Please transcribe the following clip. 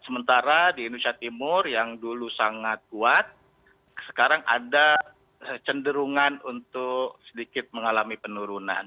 sementara di indonesia timur yang dulu sangat kuat sekarang ada cenderungan untuk sedikit mengalami penurunan